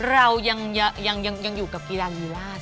เรายังอยู่กับกีฬามีราช